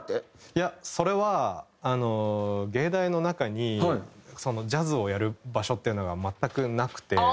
いやそれは藝大の中にジャズをやる場所っていうのが全くなくて。